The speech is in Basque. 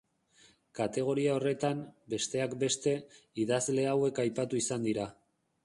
Kategoria horretan, besteak beste, idazle hauek aipatu izan dira.